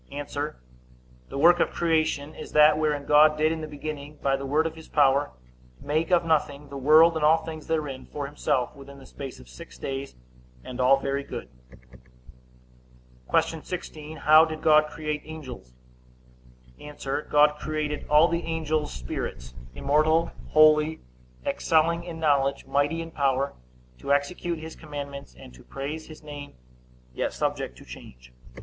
A. The work of creation is that wherein God did in the beginning, by the word of his power, make of nothing the world, and all things therein, for himself, within the space of six days, and all very good. Q. 16. How did God create angels? A. God created all the angels spirits, immortal, holy, excelling in knowledge, mighty in power, to execute his commandments, and to praise his name, yet subject to change.